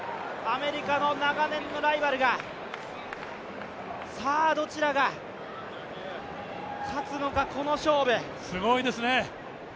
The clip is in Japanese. アメリカの長年のライバルが、さあどちらが勝つのかすごいですね。